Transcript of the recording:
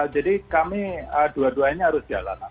jadi kami dua duanya harus jalanan